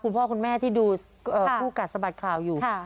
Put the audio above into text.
คุณพ่อคุณแม่ที่ดูคู่กัดสะบัดข่าวอยู่